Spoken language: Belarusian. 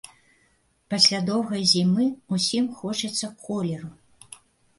Пасля доўгай зімы ўсім хочацца колеру.